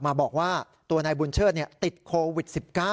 บอกว่าตัวนายบุญเชิดติดโควิด๑๙